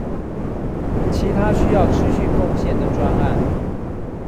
其他需要持續貢獻的專案